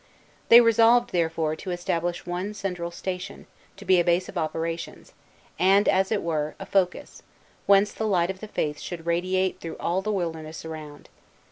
They resolved, therefore, to establish one central station, to be a base of operations, and, as it were, a focus, whence the light of the Faith should radiate through all the wilderness around.